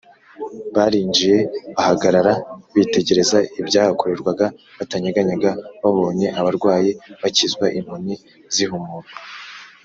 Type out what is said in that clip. barinjiye, bahagarara bitegereza ibyahakorerwaga batanyeganyega babonye abarwayi bakizwa, impumyi zihumurwa,